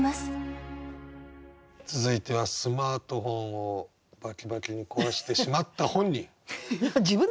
続いてはスマートフォンをバキバキに壊してしまった本人。